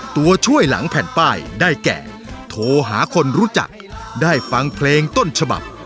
ตัวช่วยหลังแผ่นป้ายได้แก่โทรหาคนรู้จักได้ฟังเพลงต้นฉบับ